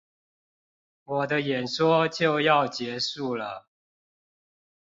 我的演說就要結束了